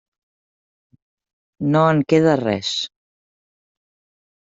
No en queda res.